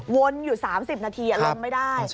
วนอยู่๓๐นาทีลงไม่ได้